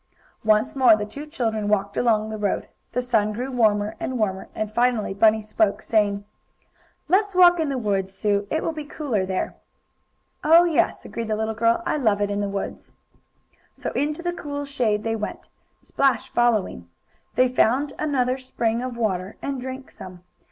Once more the two children walked along the road. The sun grew warmer and warmer, and finally Bunny spoke, saying: "Let's walk in the woods, Sue. It will be cooler there." "Oh, yes," agreed the little girl. "I love it in the woods." So into the cool shade they went, Splash following. They found another spring of water, and drank some.